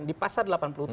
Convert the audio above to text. di pasar delapan puluh tujuh